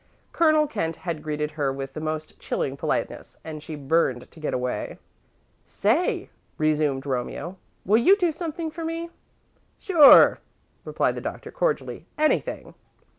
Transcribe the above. Colonel Kent had greeted her with the most chilling politeness, and she burned to get away. "Say," resumed Romeo, "will you do something for me?" "Sure," replied the Doctor, cordially. "Anything."